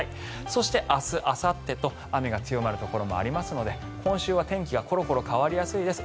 そして明日あさってと雨が強まるところもありますので今週は天気がコロコロ変わりやすいです。